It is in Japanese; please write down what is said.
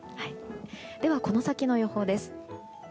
では、この先の予報です。